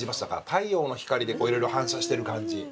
太陽の光でいろいろ反射してる感じ。